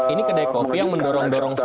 ini kedai kopi yang mendorong dorong